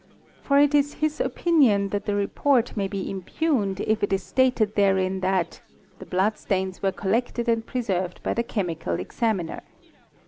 For it is his opinion that the report may be impugned if it is stated therein that 'the blood stains were collected and preserved by the chemical examiner.